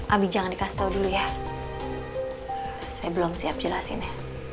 abi jangan dikasih tahu dulu ya saya belum siap jelasin ya